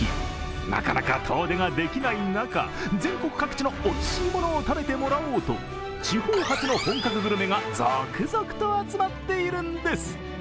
なかなか遠出ができない中全国各地のおいしいものを食べてもらおうと地方発の本格グルメが続々と集まっているんです。